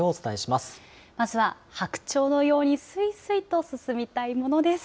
まずは白鳥のようにすいすいと進みたいものです。